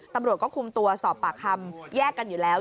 ตำรวจก็คุมตัวสอบปากคำแยกกันอยู่แล้ว